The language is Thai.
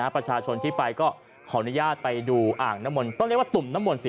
ประชาชนที่ไปก็ขออนุญาตไปดูอ่างน้ำมนต์ก็เรียกว่าตุ่มน้ำมนต์สิ